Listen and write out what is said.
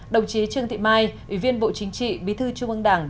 đồng chí trương thị mai ủy viên bộ chính trị bí thư trung ương đảng